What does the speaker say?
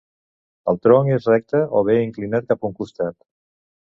El tronc és recte o bé inclinat cap a un costat.